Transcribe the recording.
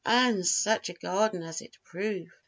And such a garden as it proved!